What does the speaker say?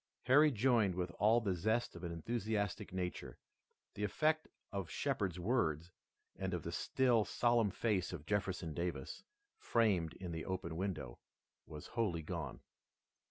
Harry joined with all the zest of an enthusiastic nature. The effect of Shepard's words and of the still, solemn face of Jefferson Davis, framed in the open window, was wholly gone.